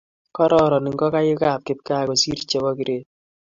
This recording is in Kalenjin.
kororon ngokaikab kipgaa kosiir chebo gred